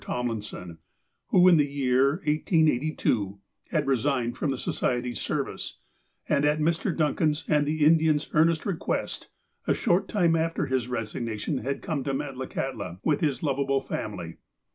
Tomliuson, who, in the year 1882, had resigned from the Society's service, and at Mr. Duncan's and the Indians' earnest request, a short time after his resignation had come to Metlakahtla with his lovable family.